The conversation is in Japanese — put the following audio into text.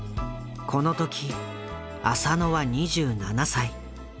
このとき浅野は２７歳。